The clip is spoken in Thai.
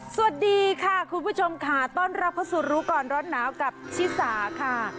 สวัสดีค่ะคุณผู้ชมค่ะต้อนรับเข้าสู่รู้ก่อนร้อนหนาวกับชิสาค่ะ